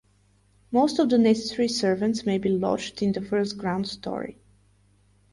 Most of the necessary servants may be lodged in the first ground story.